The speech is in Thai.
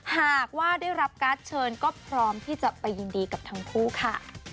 หากว่าได้รับการ์ดเชิญก็พร้อมที่จะไปยินดีกับทั้งคู่ค่ะ